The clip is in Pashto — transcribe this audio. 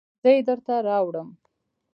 زه یې درته راوړم